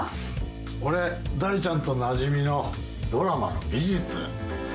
俺大ちゃんとなじみのドラマの美術。